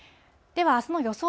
ではあすの予想